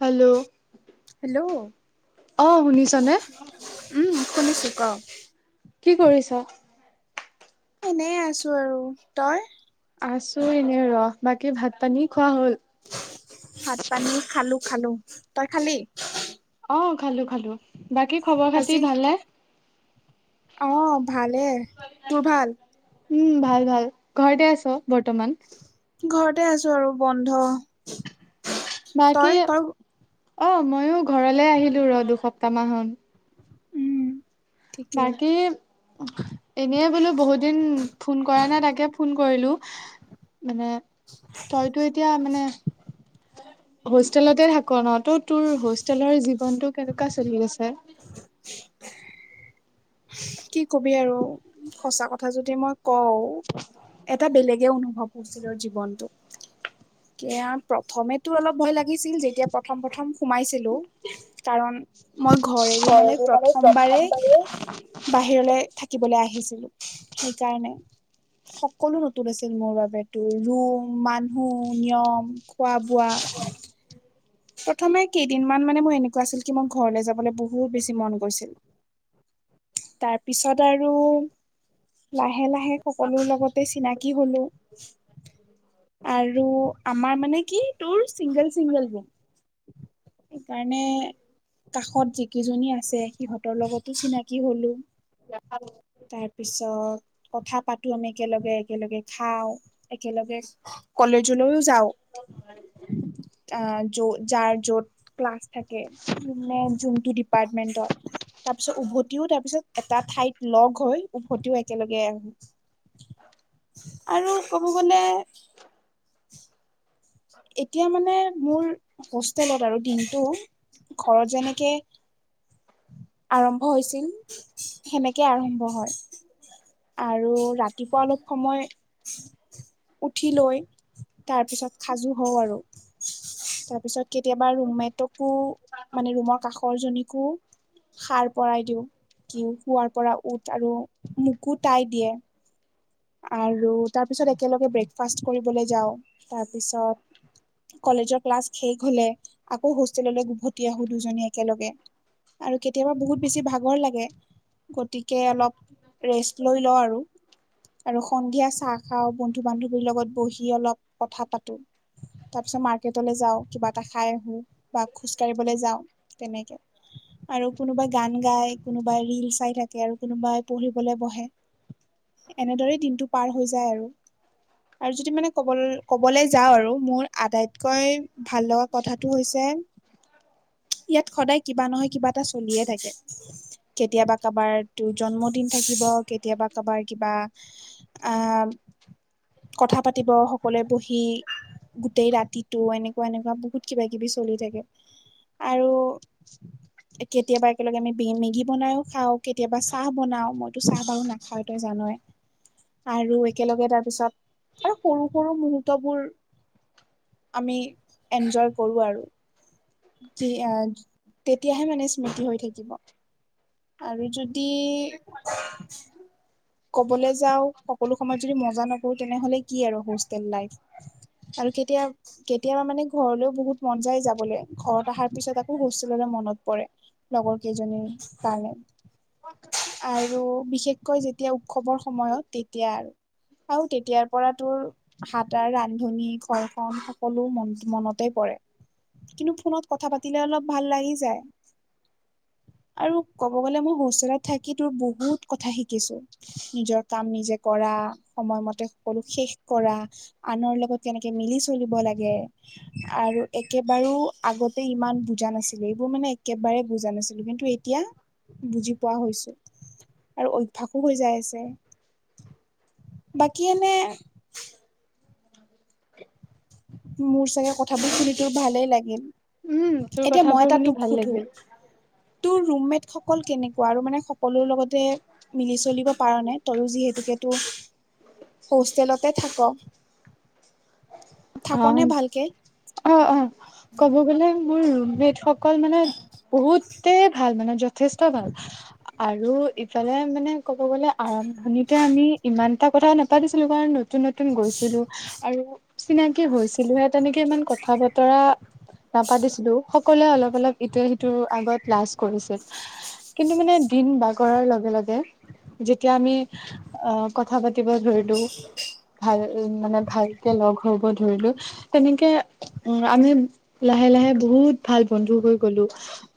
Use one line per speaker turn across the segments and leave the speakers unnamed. Hello,
hello
অ শুনিছনে?
উম শুনিছোঁ ক।
কি কৰিছ।
এনে আছো আৰু তই,
আছো এনে ৰহ বাকী ভাত পানী খোৱা হ'ল।
ভাত পানী খালো খালো তই খালি।
অ খালো খালো। বাকী খবৰ খাতি
আজি
ভালনে?
অহ ভালে তোৰ ভাল।
উম ভাল ভাল ঘৰতে আছ বৰ্তমান।
ঘৰতে আছো আৰু বন্ধ। তই
বাকী,
তই
অ ময়ো ঘৰলে আহিলোঁ ৰ দুসপ্তাহ মান হল।
উম ঠিকে
বাকী, এনেইে বোলো বহুত দিন ফোন কৰা নাই তাকে ফোন কৰিলোঁ মানে, তইতো এতিয়া মানে। হোষ্টেলতে থাকো ন তো তোৰ হোষ্টেলৰ জীৱনটো কেনেকুৱা চলি আছে।
[unintelligible] কি কবি আৰু সঁচা কথা যদি মই কওঁ, এটা বেলেগে অনুভৱ হোষ্টেলৰ জীৱনটো। এয়া প্ৰথমেতো অলপ ভয় লাগিছিল যেতিয়া প্ৰথম প্ৰথম, সোমাইছিলোঁ কাৰণ মই ঘৰ এৰি মানে প্ৰথমবাৰে, বাহিৰলৈ থাকিবলে আহিছিলো সেইকাৰণে। সকলো নতুন আছিল মোৰ বাবেতোৰ ৰুম মানুহ, নিয়ম খোৱা বোৱা। প্ৰথমে কেইদিনমান মানে মোৰ এনেকুৱা আছিল কি মোৰ ঘৰলৈ যাবলৈ বহুত বেছি মন গৈছিল।
[inaudible]
তাৰ পিছত আৰু লাহে লাহে সকলো লগতে চিনাকি হলো আৰু ত আমাৰ মানে কি তোৰ চিংগল চিংগল ৰুম, সেইকাৰণে কাষত যিকেইজনী আছে সিহঁতৰ লগতো চিনাকি হলো।
[unintelligible]
তাৰ পিছত কথা পাতো আমি একেলগে একেলগে খাওঁ একেলগে, কলেজলৈও যাও আহ যত যাৰ য'ত, ক্লাছ থাকে, যোনে যোনটো ডিপাৰ্টমেণ্টৰ। তাৰ পিছত উভতিও তাৰ পিছত এটা ঠাইত লগ হৈ উভতিও একেলগে আহোঁ। আৰু ক'ব গলে। এতিয়া মানে মোৰ হোষ্টেলত আৰু দিনটো ঘৰত যেনেকে- আৰম্ভ হৈছিল সেনেকে আৰম্ভ হয়। আৰু ৰাতিপুৱা অলপ সময়, উঠি লৈ তাৰপিছত সাজু হওঁ আৰু তাৰপিছত, কেতিয়াবা ৰুমেটকো মানে ৰুমৰ কাষৰজনীকো। সাৰ পৰাই দিও কি শোৱাৰ পৰা উঠ আৰু মোকো তাই দিয়ে। আৰু তাৰপিছত একেলগে ব্ৰেকফাষ্ট কৰিবলৈ যাওঁ তাৰপিছত। কলেজৰ ক্লাছ শেষ হলে আকৌ হোষ্টেললৈ উভতি আহো দুজনী একেলগে। আৰু কেতিয়াবা বহুত বেছি ভাগৰ লাগে। গতিকে অলপ ৰেষ্ট লৈ লওঁ আৰু। আৰু সন্ধিয়া চাহ খাওঁ বন্ধু বান্ধৱীৰ লগত বহি অলপ কথা পাতো। তাৰ পিছত মাৰ্কেটলৈ যাওঁ কিবা এটা খাই আহো বা খোজকাঢ়িবলৈ যাওঁ, তেনেকে- আৰু কোনোবাই গান গাই কোনোবাই ৰিল চাই থাকে আৰু কোনোবাই পঢ়িবলে বহে। এনেদৰে দিনটো পাৰ হৈ যায় আৰু। আৰু যদি মানে ক'ব ক'বলৈ যাওঁ আৰু মোৰ আটাইতকৈ ভাল লগা কথাটো হৈছে-
উ [unintelligible]
ইয়াত সদায় কিবা নহয় কিবা এটা চলিয়ে থাকে। কেতিয়াবা কাবাৰ তোৰ জন্মদিন থাকিব কেতিয়াবা কাবাৰ- কিবা আহ কথা পাতিব সকলোৱে বহি- গোটেই ৰাতিটো এনেকুৱা এনেকুৱা বহুত কিবা কিবি চলি থাকে। আৰু- কেতিয়াবা একেলগে আমি মেগী বনাইও খাওঁ কেতিয়াবা চাহ বনাও মইতো চাহ বাৰু নাখাও। তই জানই। আৰু একেলগে তাৰ পিছত আৰু সৰু সৰু মুহুৰ্তবোৰ। আমি এনজয় কৰোঁ আৰু যি আগ-তেতিয়াহে মানে স্মৃতি হৈ থাকিব। আৰু যদি ক'বলৈ যাওঁ সকলো সময়ত যদি মজা নকৰো তেনেহ'লে কি আৰু হোষ্টেল লাইফ আৰু কেতিয়া কেতিয়াবা মানে ঘৰলৈও বহুত মন যায় যাবলৈ ঘৰত অহাৰ পিছত আকৌ হোষ্টেললৈ মনত পৰে। লগৰ কেইজনীৰ কাৰণে, আৰু বিশেষকৈ যেতি- তেতিয়া উৎসৱৰ সময়ত তেতিয়া আৰু, আৰু তেতিয়াৰ পৰা তোৰ- হাতাৰ ৰান্ধনি ঘৰখন সকলো মন মনতে পৰে। কিন্তু ফোনত কথা পাতিলে অলপ ভাল লাগি যায়। আৰু ক'ব গলে মই হোষ্টেলত থাকি তোৰ বহুত কথা শিকিছো। নিজৰ কাম নিজে কৰা সময়মতে সকলো শেষ কৰা। আনৰ লগত কেনেকে মিলি চলিব লাগে। আৰু একেবাৰো আগতে ইমান বুজা নাছিলো এইবোৰ মানে একেবাৰে বুজা নাছিলো, কিন্তু- এতিয়া বুজি পোৱা হৈছো আৰু অভ্যাস হৈ যায় আছে, বাকী এনে মোৰ চাগে কথাবোৰ শুনিতো ভালেই লাগিল।
উম তোৰ
এতিয়া
কথাবোৰ
মই এটা
শুনি ভাল
তোক সোধো
লাগিল।
তোৰ ৰুমমেটসকল কেনেকুৱা আৰু মানে সকলো লগতে মিলি চলিব পাৰ নাই, তইও যিহেতো হোষ্টেলতে থাক।
অ
থাকনে ভালকে?
অ অ ক'ব গ'লে মোৰ ৰুমেটসকল মানে বহুতেই ভাল মানে যথেষ্ট ভাল আৰু ইফালে মানে ক'ব গলে আৰম্ভণিতে আমি ইমান এটা কথা নাপাতিছিলো কাৰণ নতুন নতুন গৈছিলো আৰু চিনাকি হৈছিলোহে তেনেকে ইমান কথা বতৰা নাপাতিছিলো কলে অলপ অলপ ইটোৱ সিটোৰ আগত লাজ কৰিছিল, কিন্তু মানে দিন বা কৰাৰ লগে লগে যেতিয়া আমি কথা পাতিব ধৰিলো ভাল মানে ভালকে লগ হব ধৰিলো, তেনেকে উম আমি, লাহে লাহে বহুত ভাল বন্ধু হৈ গলো।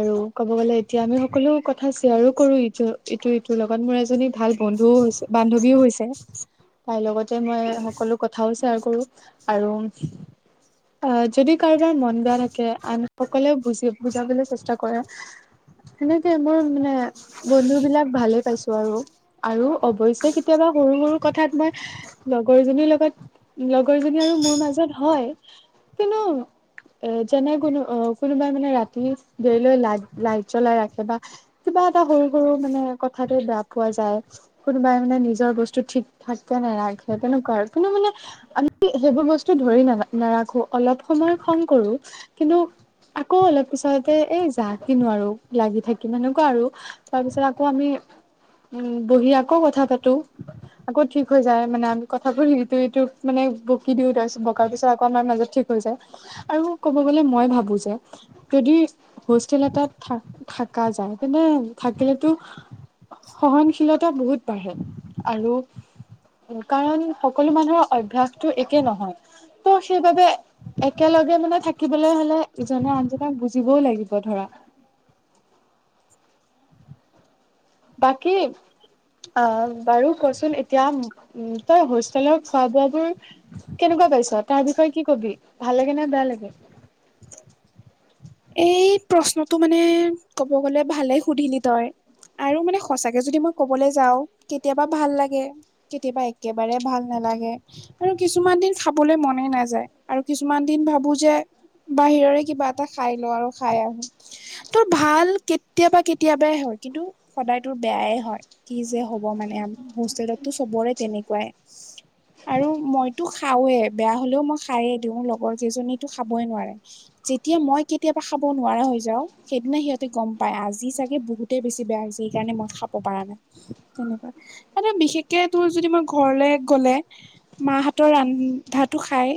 আৰু ক'ব গলে এতিয়া আমি সকলো কথা শ্বেয়াৰো কৰো ইটো ইটো ইটোৰ লগত মোৰ এজনী ভাল বন্ধুও হৈছে বান্ধৱীও হৈছে তাইৰ লগতে মই সকলো কথাও শ্বেয়াৰ কৰোঁ আৰু আহ যদি কাৰোবাৰ মন বেয়া থাকে আন সকলেও বুজি বুজাবলৈ চেষ্টা কৰে। সেনেকে মোৰ মানে বন্ধু বিলাক ভালে পাইছো আৰু। আৰু অৱশ্যে কেতিয়াবা সৰু সৰু কথাত মই, লগৰজনীৰ ল লগৰজনী আৰু মোৰ মাজত হয়, কিন্তু এ যেনে কোনো অ, কোনোবা মানে ৰাতি, দেৰি লৈ লাই-লাইট জ্বলাই ৰাখে বা কিবা এটা সৰু সৰু মানে কথাতে বেয়া পোৱা যায়। কোনোবাই মানে নিজৰ বস্তু ঠিক ঠাককে নেৰাখে তেনেকুৱা আৰু, কিন্তু মানে আ সেইবোৰ বস্তু ধৰি না-নাৰাখো অলপ সময় খং কৰো, কিন্তু আকৌ অলপ পিছতে এই যা কিনো আৰু লাগি থাকি এনেকুৱা আৰু তাৰপিছত আকৌ আমি, উম, বহি আকৌ কথা পাতো। আকৌ ঠিক হৈ যায় মানে আমি কথাবোৰ ইটো সিটোক মানে বকি দিও তাৰপিছত বকাৰ পিছত আকৌ আমাৰ মাজত ঠিক হৈ যায়, আৰু ক'ব গ'লে মই ভাবো যে যদি হোষ্টেল এটাত থা-থাকা যায়, তেন্তে থাকিলেতো সহনশীলতা বহুত বাঢ়ে, আৰু উম, কাৰণ সকলো মানুহৰ অভ্যাসটো একে নহয়, ত' সেইবাবে একেলগে মানে থাকিবলৈ হলে ইজনে আনজনক বুজিবও লাগিব ধৰা। বাকী অ', বাৰু কচোন এতিয়া উম তই হোষ্টেলত খোৱা বোৱা বোৰ। কেনেকুৱা পাইছ তাৰ বিষয়ে কি কবি, ভাল লাগে নে বেয়া লাগে?
এই প্ৰশ্নটো মানে ক'ব গলে ভালে সুধিলি তই আৰু মানে সঁচাকে যদি মই কবলৈ যাওঁ কেতিয়াবা ভাল লাগে। কেতিয়াবা একেবাৰে ভাল নালাগে। আৰু কিছুমান দিন খাবলৈ মনে নাযায়, আৰু কিছুমান দিন ভাবো যে বাহিৰৰে কিবা এটা খাই লওঁ আৰু খাই আহো। তোৰ ভাল কেতিয়াবা কেতিয়াবাই হয় কিন্তু, সদায় তোৰ বেয়াই হয়। কি যে হ'ব মানে হোষ্টেলতটো চবৰে তেনেকুৱাই। আৰু মইতো খাওয়ে বেয়া হলেও মই খাইয়ে দিওঁ লগৰ কেইজনীতো খাবই নোৱাৰে। যেতিয়া মই কেতিয়াবা খাব নোৱাৰা হৈ যাও সেইদিনা সিহঁতে গম পায় আজি চাগে বহুতেই বেছি বেয়া হৈছে সেইকাৰণে মই খাব পাৰা নাই। তেনেকোৱা, আৰু বিশেষকে তোৰ যদি মই ঘৰলে গ'লে মাহতৰ ৰন্ধাটো খাই।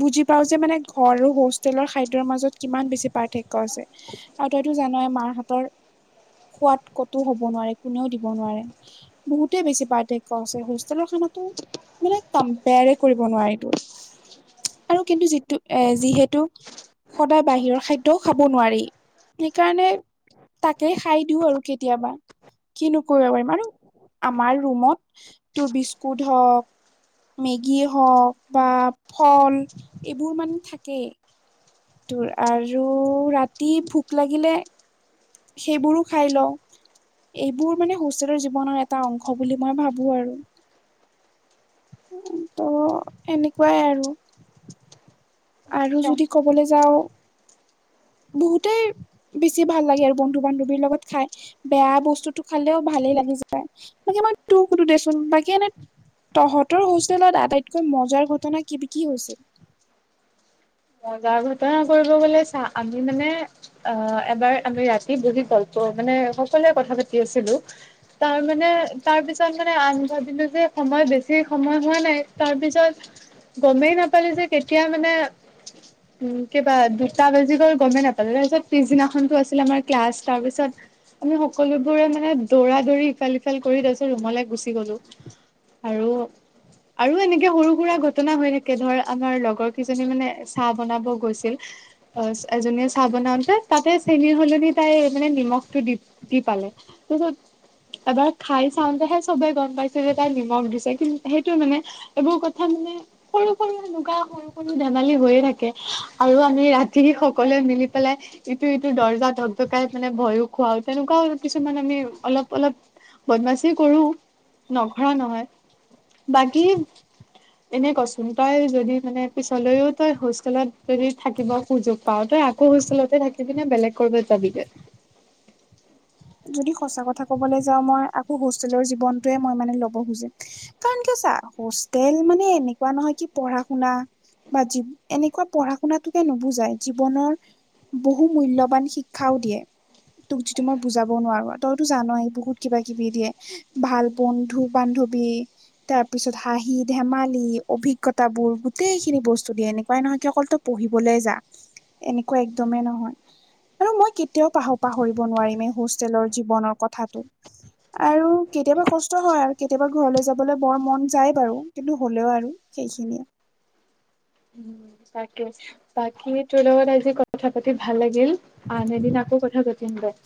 বুজি পাও যে মানে ঘৰ আৰু হোষ্টেলৰ খাদ [unintelligible] মাজত কিমান বেছি পাৰ্থক্য আছে, আৰু তইতো জানাই মাৰ হাতৰ সোৱাদ ক'তো হ'ব নোৱাৰে কোনেও দিব নোৱাৰে। বহুতেই বেছি পাৰ্থক্য আছে হোষ্টেলৰ খানাতো মানে কম্পৰে কৰিব নোৱাৰি এইটো, আৰু কিন্তু যিটো, এ যিহেতু সদায় বাহিৰৰ খাদ্যয়ও খাব নোৱাৰি, সেইকাৰণে তাকেই খাই দিওঁ আৰু কেতিয়াবা। কিনো কৰিব পাৰিম আৰু, আমাৰ ৰুমত তোৰ বিস্কুট হওক মেগীয়ে হওক বা, ফল এইবোৰ মানে থাকেই। তোৰ আৰু ৰাতি ভোক লাগিলে সেইবোৰো খাই লওঁ। এইবোৰ মানে হোষ্ঠেলৰ জীৱনৰ এটা অংশ বুলি মই ভাবো আৰু। ত' এনেকুৱাই আৰু। আৰু
চা
যদি ক'বলৈ যাও বহুতেই বেছি ভাল লাগে আৰু বন্ধু বান্ধৱীৰ লগত খাই বেয়া বস্তুতটো খালেও ভালেই লাগি যায়। তাকে মই তোৰ সুধো দেচোন বাকী এনে তহঁতৰ হোষ্টেলত আটাইতকৈ মজাৰ ঘটনা কি কি হৈছিল?
মজা ঘটনা কৰিব গলে চা আমি মানে অ, এবাৰ আমি ৰাতি বহি গল্প মানে সকলোৱে কথা পাতি আছিলো। তাৰ মানে তাৰ পিছত মানে আমি ভাবিলো যে সময় বেছি সময় হোৱা নাই তাৰপিছত গমেই নাপালো যে কেতিয়া মানে উ [inaudible] উম, কিবা দুটা বাজি গ'ল গমে নাপালো তাৰ পিছত পিছদিনাখনো আছিলে আমাৰ ক্লাস তাৰ পিছত আমি সকলোবোৰে মানে দৌৰা দৌৰি ইফাল সিফাল কৰি তাৰ পিছত ৰুমলে গুচি গলো। আৰু - আৰু এনেকে সৰু সুৰা ঘটনা হৈ থকে ধৰ আমাৰ লগৰ কেইজনী মানে চাহ বনাব গৈছিল। অ, এজনীয়ে চাহ বনাওতে তাতে চেনী সলনি তাই মানে নিমখটো দি দি পালে তত এবাৰ খাই চাওতেহে চবে গম পাইছে যে তাই নিমখ দিছে কিন্ত সেইটো মানে এইবোৰ কথা মানে সৰু - সৰু এনেকোৱা সৰু - সৰু ধ সালি হৈয়ে থাকে আৰু আমি ৰাতি সকলোৱে মিলি পেলাই ইটো ইটো দৰ্জা ধক ধকাই মানে ভয়ো খুৱাও তেনেকুৱাও কিছুমান আমি অলপ - অলপ বদমাছি কৰো নখৰা নহয় বাকী এনে কচোন তই যদি মানে পিছ লেও তই হোষ্টেলত যদি থাকিবৰ সুযোগ পাও তই আকৌ হোষ্টেলতে থাকি পিনে বেলেগ কৰবাত যাবিগে।
যদি সঁচা কথা ক'বলৈ যাও মই আকৌ হোষ্টেলৰ জীৱনটোৱে মই মানে ল'ব খুজিম। কাৰণ কে আছা হোষ্টেল মানে এনেকুৱা নহয় কি পঢ়া শুনা বা এনেকুৱা পঢ়া শুনাতোকে নোবুজাই জীৱনৰ বহু মূল্যবান শিক্ষাও দিয়ে তোক যিটো মই বুজাব নোৱাৰো তইতো জানয়েই বহুত কিবা কিবি দিয়ে ভাল বন্ধু বান্ধৱী। তাৰ পিছত হাঁহি ধেমালি অভিজ্ঞতা বোৰ গোটেইখিনি বস্তু দিয়ে এনেকুৱাই নহয় অকলতু পঢ়িবলৈ যা এনেকুৱা একদমেই নহয়। আৰু মই কেতিয়াও পাহৰ পাহৰিব নোৱাৰিম এই হোষ্টেলৰ জীৱনৰ কথাটো। আৰু কেতিয়াবা কষ্ট হয় আৰু কেতিয়াবা ঘৰলৈ যাবলৈ বৰ মন যায় বাৰু কিন্তু হ'লেও আৰু। সেইখিনিয়ে।
তাকে বাকি তোৰ লগত আজি ক কথা পাতি ভাল লাগিল আন এদিন আকৌ কথা পাতিম দে।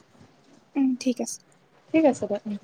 উম, ঠিক আছে।
ঠিক আছে দে উম,